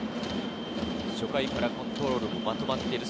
初回からコントロールもまとまっている。